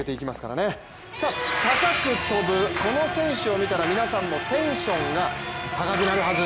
高く跳ぶこの選手を見たら皆さんもテンションが高くなるはず。